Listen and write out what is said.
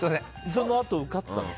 そのあと受かってたの？